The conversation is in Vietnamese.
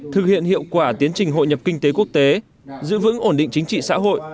thực hiện hiệu quả tiến trình hội nhập kinh tế quốc tế giữ vững ổn định chính trị xã hội